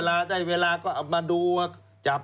แล้วได้เวลาก็เอามาดูว่า